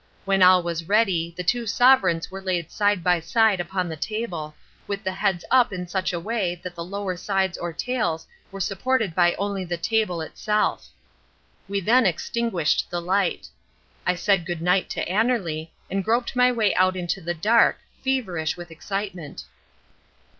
When all was ready the two sovereigns were laid side by side upon the table, with the heads up in such a way that the lower sides or tails were supported by only the table itself. We then extinguished the light. I said "Good night" to Annerly, and groped my way out into the dark, feverish with excitement.